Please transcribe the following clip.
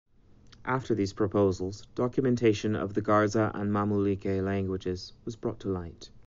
After these proposals, documentation of the Garza and Mamulique languages was brought to light.